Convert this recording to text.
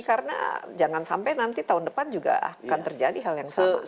karena jangan sampai nanti tahun depan juga akan terjadi hal yang sama